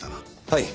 はい。